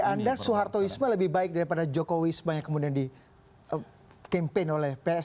bagi anda soehartoisme lebih baik daripada joko wisma yang kemudian di kempen oleh psm